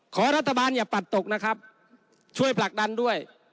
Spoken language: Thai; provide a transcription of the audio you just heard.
ขอรัฐบาลอย่าปัดตกนะครับช่วยผลักดันด้วย